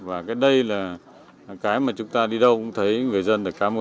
và đây là cái mà chúng ta đi đâu cũng thấy người dân cảm ơn đảng của chính phủ